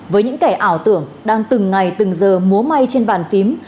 với những kẻ ảo tưởng đang từng ngày từng giờ múa may trên bàn phím